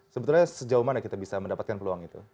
sebetulnya sejauh mana kita bisa mendapatkan peluang itu